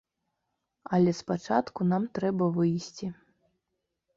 Але спачатку нам трэба выйсці!